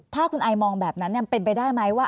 ถ้าคุณไอมองแบบนั้นเป็นไปได้ไหมว่า